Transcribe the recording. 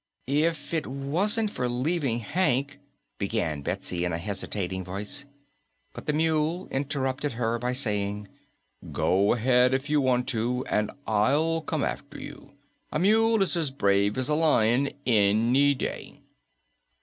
"If it wasn't for leaving Hank," began Betsy in a hesitating voice. But the Mule interrupted her by saying, "Go ahead if you want to, and I'll come after you. A mule is as brave as a lion any day."